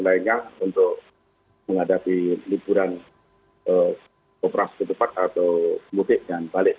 lainnya untuk menghadapi liburan operasi ketupat atau mudik dan balik